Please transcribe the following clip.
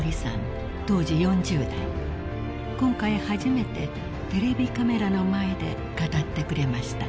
［今回初めてテレビカメラの前で語ってくれました］